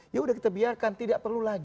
yaudah kita biarkan tidak perlu lagi